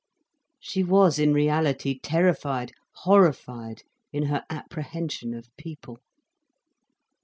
She was in reality terrified, horrified in her apprehension of people.